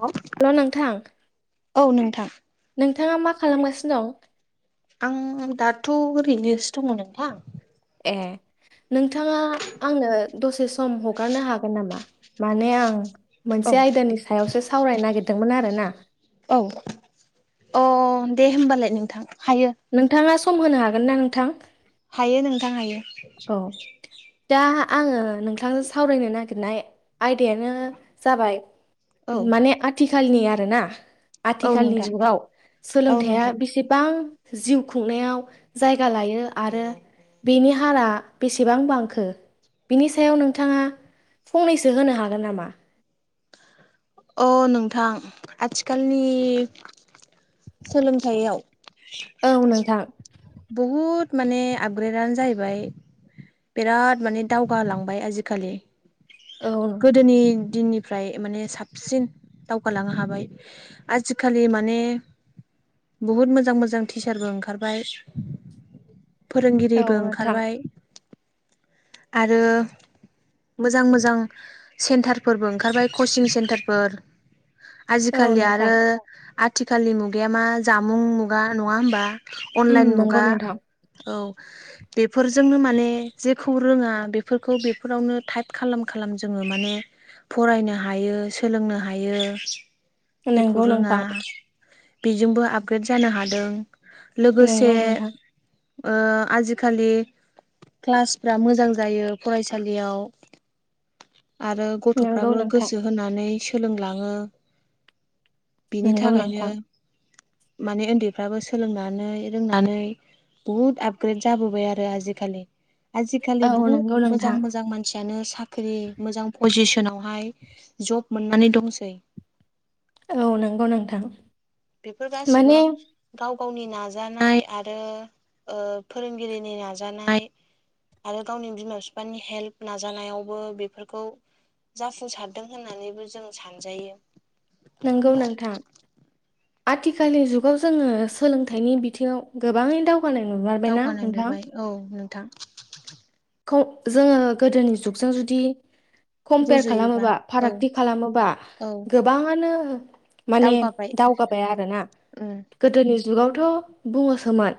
औ हेल' नोंथां। औ नोंथां। नोंथाङा मा खालामगासिनो दं? आं दाथ' ओरैनोसो दङ नोंथां। ए नोंथाङा आंनो दसे सम हगारनो हागोन नामा माने आं औ मोनसे आयदानि सायावसो सावरायनो नागिरदोंमोन आरोना। औ अ दे होमबालाय नोंथां हायो। नोंथाङा सम होनो हागोन ना नोंथां? हायो नोंथां हायो। औ दा आङो नोंथांजों सावरायनो नागिरनाय आयदायानो जाबाय औ माने आथिखालनि आरोना औ आथिखालनि नोंथां जुगाव औ सोलोंथाइा नोंथां बेसे गोबां जिउ खुंनायाव जायगा लायो आरो बेनि हारा बेसेबां बांखो बिनि सायाव नोंथाङा फंनैसो होनो हागोन नामा अ नोंथां आथिखालनि सोलोंथायाइयाव औ नोंथां बहुद माने आपग्रेडानो जाहैबाय बिराद माने दावगालांबाय आजिखालि औ गोदोनि दिननिफ्राय माने साबसिन दावगालांनो हाबाय। आजिखालि माने बहुद मोजां मोजां टिचारबो ओंखारबाय। औ फोरोंगिरिबो नोंथां ओंखारबाय आरो मोजां मोजां सेन्टारफोरबो ओंखारबाय कचिं सेन्टारफोर औ आजिखालि नोंथां आरो आथिखालनि मुगाया मा जामुं मुगा नङा होमबा उम अनलाइन नंगौ मुगा नोंथां औ बेफोरजोंनो माने जेखौ रोङा बेफोरखौ बेफोरावनो टाइप खालाम खालाम जोङो माने फरायनो हायो सोलोंनो हायो जेखौ नंगौ रोङा नोंथां बेजोंबो आपग्रेड जानो हादों लोगोसे नंगौ नोंथां आजिखालि क्लासफ्रा मोजां जायो फरायसालियाव आरो नंगौ गथ'फ्राबो नोंथां गोसो होनानै सोलोंलाङो बिनि नंगौ नोंथां थाखायनो माने उन्दैफ्राबो सोलोंनानै रोंनानै बुहुत आपग्रेद जाबोबाय आरो आजिखालि औ आजिखालि बुहुत नंगौ मोजां नोंथां मोजां मानसि मानसियानो साख्रि मोजां पजिसनावहाय जब मोननानै दंसै औ नंगौ नोंथां बेफोर गासिबो माने गाव गावनि नाजानाय आरो फोरोंगिरिनि नाजानाय आरो गावनि बिमा बिफानि हेल्प नाजानायावबो बेफोरखौ जाफुंसारदों होननानैबो जों सानजायो नोंगौ नोंथां आथिखालनि जुगाव जोङो सोलोंथाइनि बिथिङाव गोबाङै दाव दावगानाय नुमारबायना दावगानाय नोंथां नुबाय औ नोंथां जोङो गोदोनि जुगजों जुदि कमपेयार रुजुयोबा खालामोबा औ फारागथि खालामोबा औ गोबाङानो माने दावगाबाय दावगाबाय आरोना उम गोदोनि जुगावथ' बुङोसोमोन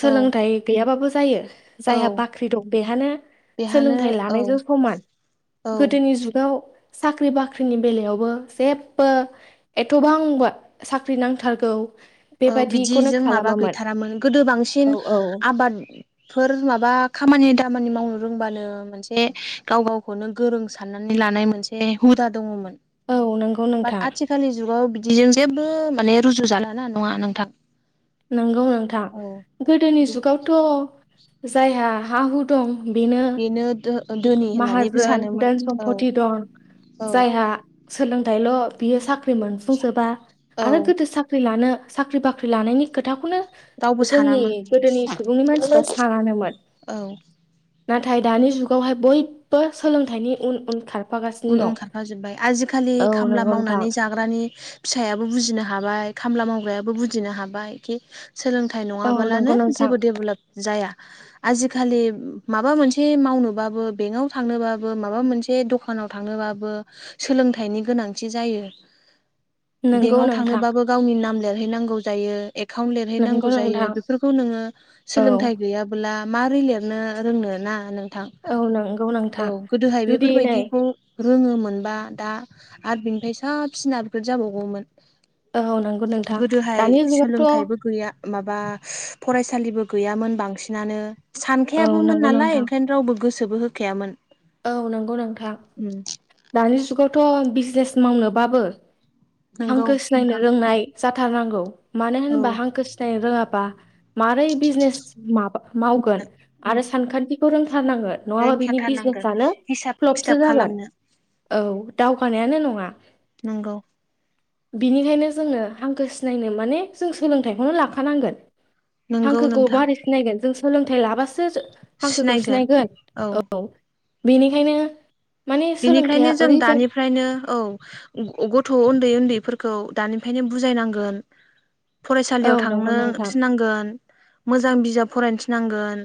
औ सोलोंथाइ गैयाबाबो जायो जायहा औ बाख्रि दं बेहानो बेहानो सोलोंथाइ औ लानायजों समान औ गोदोनि जुगाव साख्रि बाख्रिनि बेलायावबो जे एथ'बांबो साख्रि नांथारगौ औ बेबादिखौनो बिदिजों माबा खालामामोन गैथारामोन गोदो औ बांसिन औ आबाद फोर माबा खामानि दामानि मावनो रोंबानो मोनसे गाव गावखौनो गोरों साननानै लानाय मोनसे हुदा दङमोन औ नंगौ बाद नोंथां आथिखालनि जुगाव बिदिजों जेबो माने रुजु जालाना नङा नोंथां नंगौ नोंथां औ गोदोनि जुगावथ' जायहा हा हु दं बेनो धोनि होननानैबो माहाजोन सानोमोन दोन औ सम्फथि दं औ जायहा सोलोंथाइल' बियो साख्रि मोनफुंजोबा औ आरो गोदो साख्रि साख्रि लानो साख्रि बाख्रि लानायनि खोथाखौनो रावबो जोंनि सानामोन गोदोनि सुबुंनि मानसिफ्रा सानानोमोन औ नाथाय दानि जुगावहाय बयबो सोलोंथाइनि उन उनखार उन उन खारफाजोबबाय आजिखालि खामला नंगौ नोंथां मावनानै जाग्रानि फिसायाबो बुजिनो हाबाय खामला मावग्रायाबो बुजिनो हाबाय खि सोलों नाथाय औ नंगौ नङाबालानो नोंथां जेबो डेभलप जाया आजिखालि माबा मोनसे मावनोबाबो बेंकआव थांनोबाबो माबा मोनसे दखान दखानाव थांनोबाबो सोलोंथाइनि गोनांथि जायो नंगौ बेंकआव नोंथां थांनोबाबो गावनि नाम लिरहैनांगौ जायो एकाउन्ट नंगौ लिरहैनांगौ जायो नोंथां बेफोरखौ नोङो औ सोलोंथाइ गैयाब [unintelligible] बला मारै लिरनो रोंनो ना नोंथां औ नंगौ नोंथां औ गोदोहाय जुदि नै बेफोरबायदि रोङोमोनबा दा आरो बिनिफ्राय साबसिन आपग्रेद जाबावगौमोन औ नंगौ नोंथां गोदोहाय दानि जुगावथ' सोलोंथाइबो गैया माबा फरायसालिबो गैयामोन बांसिनानो औ सानखायाबोमोन नंगौ नालाय नोंथां ओंखायनो रावबो गोसोबो होखायामोन औ नंगौ नोंथां उम दानि जुगावथ' बिजनेस मावनोबाबो नंगौ हांखो सिनायनो नोंथां रोंनाय जाथारनांगौ मानो औ होनबा हांखो सिनायनो रोङाबा मारै बिजनेस माबा [inaudible] मावगोन आरो सानखान्थिखौ रोंथारनांगोन नङाबा बिनि [inaudible] रोंखाथारनांगोन बिजनेसानो हिसाब फ्लबसो खिथाब जागोन खालामनो औ दावगानायानो नङा नोंगौ। बिनिखायनो जोंनो हांखो सिनायनो माने जों सोलोंथाइखौनो लाखानांगोन। नंगौ हांखोखौ नोंथां माबोरै सिनायगोन जों सोलोंथाइ लाबासो हांखोखौ सिनायगोन औ। बेनिखायनो माने सोलोंथाइया ओरैबायाद फ्रायनो औ गथ' उन्दै उन्दैफोरखौ दानिफ्रायनो बुजायनांगोन। औ फरायसालियाव नंगौ थांनो नोंथां थिनांगोन। मोजां बिजाब फरायनोथिनांगोन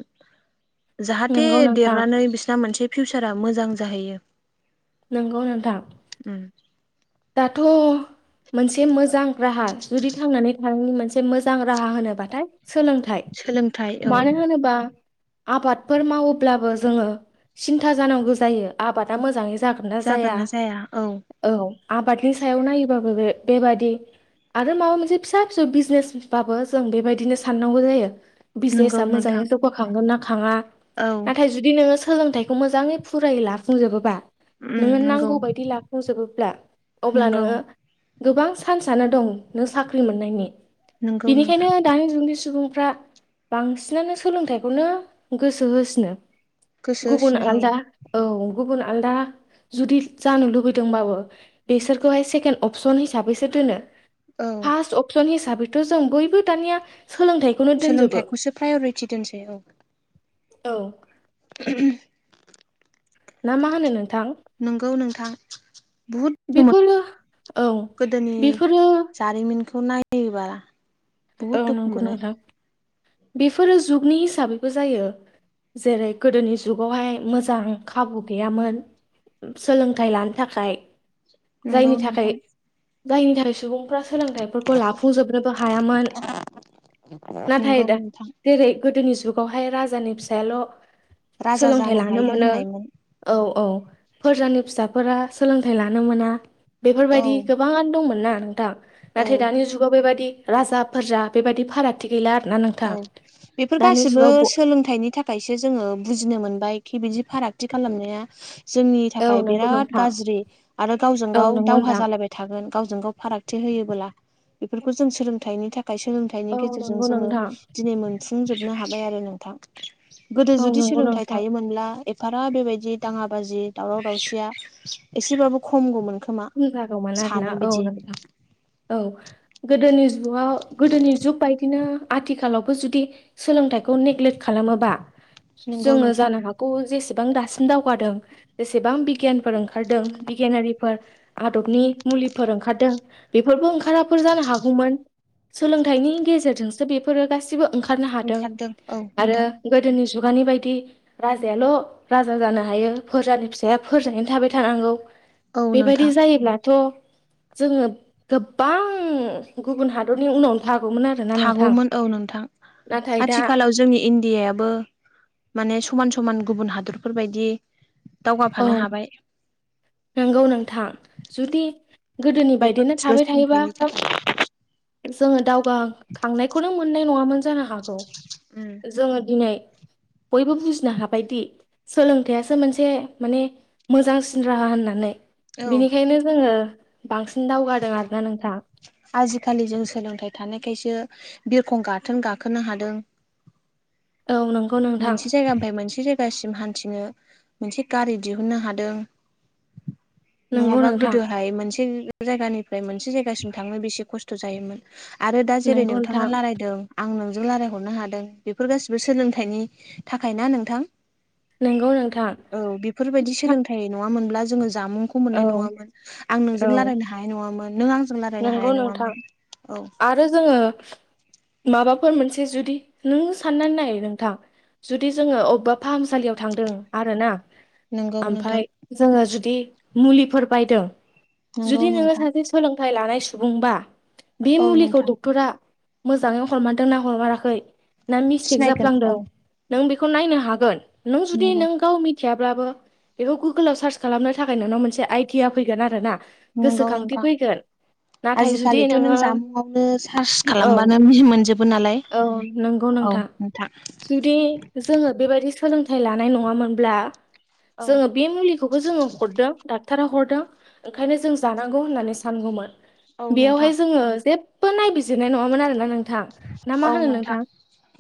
जाहाथे नंगौ नोंथां देरनानै बिसिना मोनसे फिउचारा मोजां जाहैयो। नोंगौ नोंथां। उम। दाथ' मोनसे मोजां राहा जुदि थांनानै मोन मोजां रा होनोबाथाय सोलोंथाय सोलोंथाइ औ मानो होनोबा आबादफोर मावोब्लाबो जोङो सिन्था जानांगौ जायो। आबादा मोजाङै जागोनना जाया औ। आबादनि सायाव नायोबाबो बे बेबादि आरो माबा मोनसे फिसा फिसौ बिजनेसबाबो जों बेबायदिनो साननांगौ जायो। नंगौ बिजनेसा मोजाङै नोंथां जौगाखांगोन ना खाङा। औ। नाथाय जुदि नोङो सोलोंथाइखौ मोजाङै फुरायो लाफुंजोबोबा उम नोङो नंगौ नांगौ बायदि लाखांजोबोब्ला अब्ला नंगौ नोङो गोबां चान्सनो दं नों साख्रि मोननायनि नंगौ नोंथां बिनिखायनो दानि जुगनि सुबुंफ्रा बांसिनानो सोलोंथाइखौनो गोसो होसिनो। गोसो गुबुन होसिनो औ आलदा औ गुबुन आलदा जुदि जानो लुबैदोंबाबो। बेसोरखौहाय सेकेणड अपसन हिसाबैसो दोनो औ फार्स्ट अन [unintelligible] फन हिसाबैथ' जों बयबो दानिया सोलोंथाइ सोलोंथाइखौसो प्रायरिटि दोनसै औ। औ। [unintelligible] ना मा होनो नोंथां? नोंगौ नोंथां बहुद बेफोरो औ बेफोरो जारिमिनखौ नायोबा बुहुद औ दुखु नंगौ मोनो नोंथां बेफोरो जुगनि हिसाबैबो जायो। जेरै गोदोनि जुगावहाय मोजां खाबु गैयामोन सोलोंथाइ लानो थाखाय नंगौ जायनि थाखाय नोंथां जायनि थाखाय सुबुंफ्रा सोलोंथाइफोरखौ लाफुंजोबनोबो हायामोन नाथाय नंगौ दा नोंथां जेरै गोदोनि जुगावहाय राजानि फिसायाल' राजा सोलोंथाइ जानो लानो हायो मोनो होननायमोन औ औ फोरजानि फिसाफोरा सोलोंथाइ लानो मोना बेफोरबायदि औ गोबाङानो दंमोन ना नोंथां नाथाय औ दानि जुगाव बेबायदि राजा [unintelligible] जा बेबादि फारागथि गैला आरो औ बेफोर गासिबो ब सोलोंथाइनि थाखाय थाखायसो जोङो बुजिनो मोनबाय खि बिदि फारागथि खालामनाया जोंनि औ थाखाय नंगौ बिराद नोंथां गाज्रि आरो गावजों औ गाव नंगौ दावहा नोंथां जालायबाय। थागोन गावजों गाव फारागथि होयोबोला बेफोरखौ जों सोलोंथाइनि थाखाय सोलों [unintelligible] औ फेथाइनि गेजेरजों नंगौ जोङो नोंथां दिनै मोनफुंजोबनो हाबाय आरो नोंथां गोदो औ जुदि नंगौ सोलोंथाइ नोंथां थायोमोनब्ला बारा बेबायदि दाङा बाजि दावराव दावसिया एसेबाबो खमगौमोनखोमा जागौमोन आरोना सानो औ बिदि नोंथां औ गोदोनि जुगाव गोदोनि जुग बायदिनो आथिखालावबो जुदि सोलोंथाइखौ नेग्लेक्ट खालामोबा नंगौ जोङो नोंथां जानो हागौ खौ जेसेबां दासिम दावगादों जेसेबां बिगियानफोर ओंखारदों बिगियानारिफोर आदबनि मुलिफोर ओंखारदों बेफोरबो ओंखाराफोर जानो हागौमोन सोलोंथाइनि गेजेरजोंसो बेफोरो गासिबो ओंखारनो हादों ओंखारदों औ आरो नोंथां गोदोनि जुगानि बायदि राजायाल' राजा जानो हायो फोरजानि फिसाया फोरजायैनो थाबाय थानांगौ औ बेबायदि नोंथां जायोब्लाथ' जोङो गोबां गुबुन हादरनि उनावनो थागौमोन आरो थागौमोन औ नोंथां दा आथिखालाव जोंनि इण्डियाबो माने समान समान गुबुन हादरफोरबायदि दावगाफानो हाबाय नोंगौ नोंथां जुदि गोदोनि बायदिनो बेफोरखौल' थाबाय थायोबा सोलोंथाइनि उम जोङो दावगाखांनायखौनो मोननाय नङामोन जानो हागौ जोङो दिनै बयबो बुजिनो हाबायदि सोलोंथाइयासो मोनसे माने मोजांसिन राहा होननानै औ बिनिखायनो जोङो बांसिन दावगादों आरोना नोंथां आजिखालि जों सोलोंथाइ थानायखायसो बिरखं गाथोन गाखोनो हादों औ नंगौ नों मोनसे जायगानिफ्राय मोनसे जाय सिम हान्थिनो मोनसे गारि दिहुननो हादों नंगौ नङाबा नोंथां गोदोहाय मोनसे जायगानिफ्राय मोनसे जायगासिम थांनो बेसे खस्थ' खस्थ' जायोमोन आरो दा जेरै नंगौ नोंथाङा नोंथां लारायदों आं नोंजों लारायहरनो हादों बेफोर गासिबो सोलोंथाइनि थाखाय ना नोंथां नंगौ नोंथां औ बेफोरबायदि सोलोंथाइ नङामोनब्ला जोङो जामुंखौ मोननाय औ नङामोन आं नोंजों औ लारायनो हानाय नङामोन नों आंजों लारायनो नंगौ हानाय नोंथां नङामोन औ आरो जोङो माबाफोर मोनसे जुदि नों साननानै नाय नोंथां जुदि जोङो अबेबा फाहामसालियाव थांदों आरो ना नंगौ नोंथां आमफ्राय जोङो जुदि मुलिफोर बायदों नंगौ जुदि नोङो नोंथां सासे सोलों थाय लानाय सुबुंबा बे औ मुलिखौ नोंथां डक्ट'रा मोजाङै हरमारदों ना हरमाराखै ना मिस्टेक सिनायगोन औ जाफ्लांदों नों बेखौ नायनो हागोन नों जुदि नंगौ नों गाव मिथियाब्लाबो बेखौ गुगोलाव सारच खालामनो थाखाय नोंनाव मोनसे आइडिया फैगोन आरो ना नंगौ गोसोखांथि नोंथां फैगोन नाथाय जुदि आजिखालिथ' नों नोङो जामुंआवनो सारच औ खालामबानो मोनजोबो नालाय औ नंगौ औ नोंथां जुदि जोङो बेबायदि सोलोंथाइ लानाय नङामोनब्ला औ जोङो बे मुलि खौबो जोङो हरदों डाक्टरा हरदों ओंखायनो जों जानांगौ होननानै सानगौमोन औ बेयावहाय नोंथां जोङो जेबो नायबिजिरनाय नङामोन आरोना नोंथां ना मा औ होनो नोंथां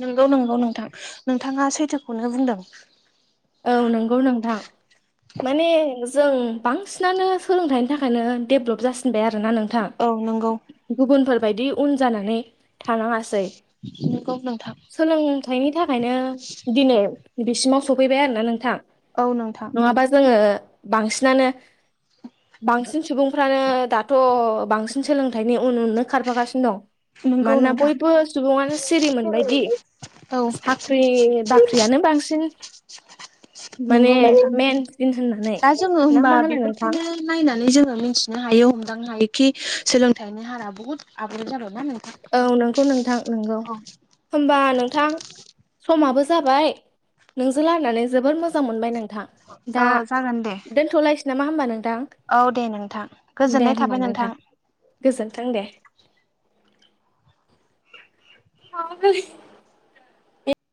नोंगौ नोंगौ नोंथां नोंथाङा सैथोखौनो बुंदों औ नोंगौ नोंथां माने जों बांसिनानो सोलोंथाइनि थाखायनो डेभलप जासिनबाय आरोना नोंथां औ नंगौ गुबुनफोरबायदि उन जानानै थानाङासै [unintelligible] सोलोंथाइनि थाखायनो दिनै बिसिमाव सफैबाय आरोना नोंथां औ नोंथां नङाबा जोङो बांसिनानो बांसिन सुबुंफ्रानो दाथ' बांसिन सोलोंथाइनि उन उननो खारफागासिनो दं नंगौ मानोना नोंथां बयबो सुबुङानो सिरि मोनबायदि औ साख्रि बाख्रियानो बांसिन माने नंगौ नोंथां मेन जिन्स होनना दा जोङो होमबा बेफोरखौनो नायनानै जोङो मिथिनो हायो हमदांनो हायोखि सोलोंथाइनि हारा बुहुत आपग्रेड जाबाय ना नों औ नोंगौ नोंथां नोंगौ होमबा नोंथां समाबो जाबाय नोंजों रायलायनानै जोबोर मोजां मोनबाय नोंथां औ दा जागोन दे दोनथलायसै नामा होमबा नोंथां औ दे नोंथां दे गोजोननाय होमबा थाबाय नोंथां गोजोन्थों दे [unintelligible]